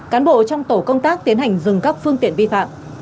cán bộ trong tổ công tác tiến hành dừng các phương tiện vi phạm